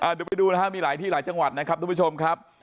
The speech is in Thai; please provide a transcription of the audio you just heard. เดี๋ยวไปดูนะครับมีหลายที่หลายจังหวัดนะครับทุกผู้ชมครับ